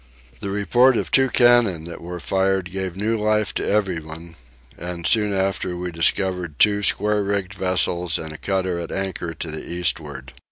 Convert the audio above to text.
The report of two cannon that were fired gave new life to everyone; and soon after we discovered two square rigged vessels and a cutter at anchor to the eastward.